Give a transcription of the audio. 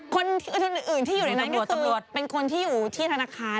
คนอื่นที่อยู่ในนั้นก็คือเป็นคนที่อยู่ที่ธนาคาร